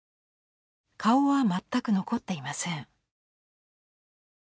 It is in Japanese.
顔は全く残っていません。